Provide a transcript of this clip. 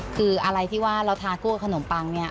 คืออะไรที่ว่าเราทาคู่กับขนมปังเนี่ย